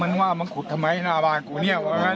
ว่ามึงขุดทำไมหน้าบ้านกูเนี่ย